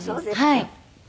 はい。